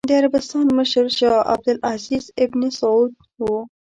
د عربستان مشر شاه عبد العزېز ابن سعود و.